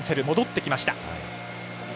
戻ってきました。